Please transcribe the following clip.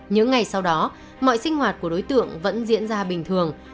những ngày sau đó mọi sinh hoạt của đối tượng vẫn diễn ra bình thường